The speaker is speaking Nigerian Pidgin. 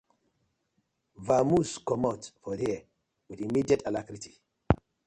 Vamoose comot for here with immediate alarcrity.